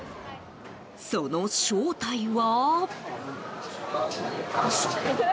その正体は。